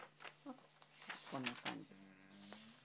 こんな感じ。